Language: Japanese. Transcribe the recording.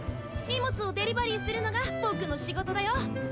荷物をデリバリーするのがぼくの仕事だよ。